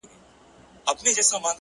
لوړ لیدلوری افقونه پراخوي,